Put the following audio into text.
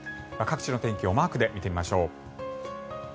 各地の天気をマークで見てみましょう。